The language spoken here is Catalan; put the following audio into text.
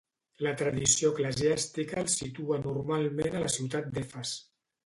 La tradició eclesiàstica els situa normalment a la ciutat d'Efes.